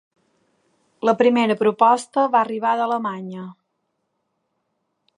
La primera proposta va arribar d’Alemanya.